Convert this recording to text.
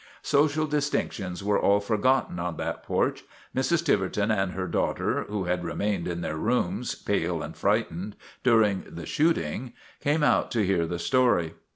Social distinctions were all forgotten on that porch. Mrs. Tiverton and her daughter, who had remained in their rooms, pale and frightened, during the shooting, came out to hear the story.